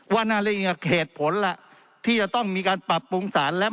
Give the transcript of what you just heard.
ว่านั่นเลยเป็นเหตุผลล่ะที่จะต้องมีการปรับปรุงศาลแล้ว